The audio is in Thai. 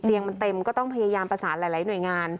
มันเต็มก็ต้องพยายามประสานหลายหน่วยงาน